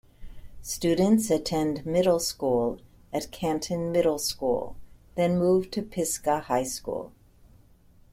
Students attend middle school at Canton Middle School then move to Pisgah High School.